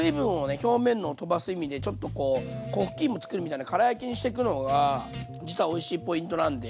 表面のを飛ばす意味でちょっとこう粉ふきいもつくるみたいなから焼きにしていくのが実はおいしいポイントなんで。